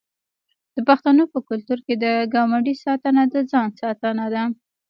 د پښتنو په کلتور کې د ګاونډي ساتنه د ځان ساتنه ده.